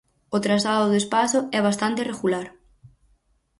O trazado do espazo é bastante regular.